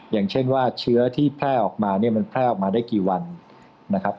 อย่างเช่นว่าเชื้อที่แพร่ออกมาเนี่ยมันแพร่ออกมาได้กี่วันนะครับ